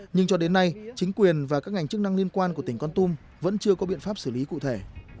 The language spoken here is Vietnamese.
nhưng cho đến nay chính quyền và các ngành chức năng liên quan của tỉnh con tum vẫn chưa có biện pháp xử lý cụ thể